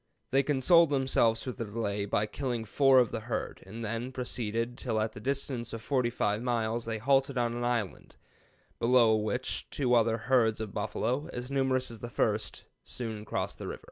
They consoled themselves for the delay by killing four of the herd, and then proceeded till at the distance of 45 miles they halted on an island, below which two other herds of buffalo, as numerous as the first, soon after crossed the river."